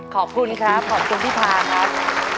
ขอบคุณครับขอบคุณพี่พาครับ